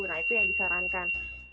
nah itu yang disarankan